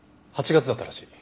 ８月だったらしい。